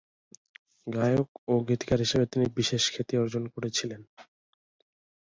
গায়ক ও গীতিকার হিসেবে তিনি বিশেষ খ্যাতি অর্জন করেছিলেন।